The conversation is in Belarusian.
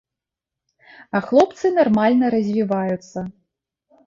А хлопцы нармальна развіваюцца.